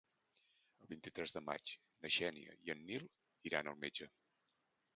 El vint-i-tres de maig na Xènia i en Nil iran al metge.